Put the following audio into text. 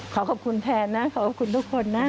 ขอบคุณแทนนะขอบคุณทุกคนนะ